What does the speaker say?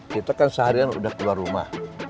kita kan seharian sudah keluar rumah